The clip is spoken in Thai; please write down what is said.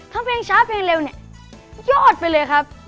ถ้าเพลงช้าเพลงเร็วเนี่ยยอดไปเลยครับ